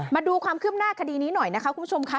มาดูความคืบหน้าคดีนี้หน่อยนะคะคุณผู้ชมค่ะ